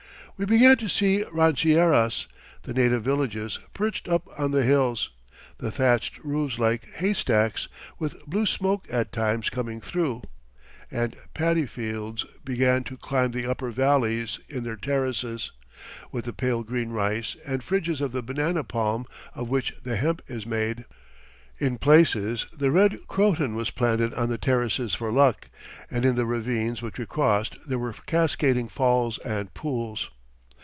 We began to see rancherias, the native villages, perched up on the hills, the thatched roofs like haystacks, with blue smoke at times coming through; and paddy fields began to climb the upper valleys in their terraces, with the pale green rice, and fringes of the banana palm of which the hemp is made. In places the red croton was planted on the terraces for luck, and in the ravines which we crossed there were cascading falls and pools.